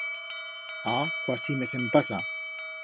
Ah!, cuasi me se'n pasa.